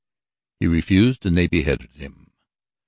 He refused and they beheaded him.